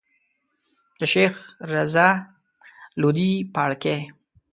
د شيخ رضی لودي پاړکی.